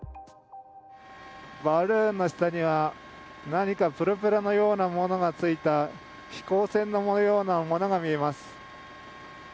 バルーンの下には何かプロペラのようなものがついた飛行船のようなものが見えます。